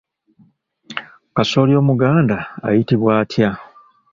Kasooli Omuganda ayitibwa atya?